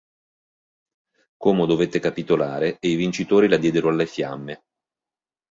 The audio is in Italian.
Como dovette capitolare e i vincitori la diedero alle fiamme.